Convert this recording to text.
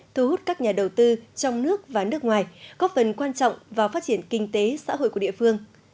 thu hút các nhà đầu tư trong nước và nước ngoài góp phần quan trọng vào phát triển kinh tế xã hội của địa phương